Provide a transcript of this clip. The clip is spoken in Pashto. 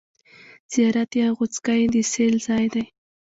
زیارت یا غوڅکۍ د سېل ځای دی.